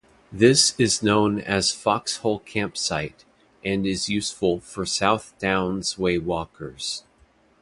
This is known as Foxhole Campsite, and is useful for South Downs Way walkers.